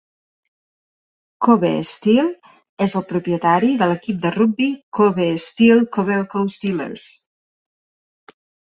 Kobe Steel és el propietari de l'equip de rugbi Kobe Steel Kobelco Steelers.